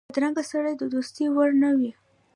بدرنګه سړی د دوستۍ وړ نه وي